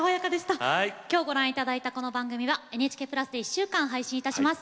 きょうご覧いただいたこの番組は「ＮＨＫプラス」で１週間配信いたします。